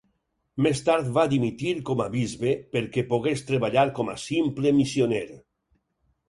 Més tard va dimitir com a bisbe perquè pogués treballar com a simple missioner.